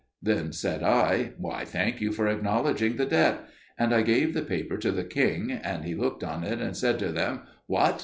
Then said I, "I thank you for acknowledging the debt." And I gave the paper to the king, and he looked on it and said to them, "What!